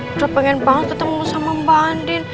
udah pengen banget ketemu sama mbak andin